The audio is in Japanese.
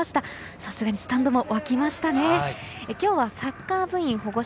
さすがにスタンドも沸きました。